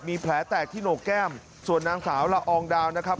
มีแผลแตกที่โหนกแก้มส่วนนางสาวละอองดาวนะครับ